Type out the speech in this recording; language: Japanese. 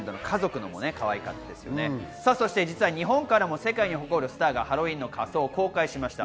実は日本からも世界に誇るスターがハロウィーンの仮装を公開しました。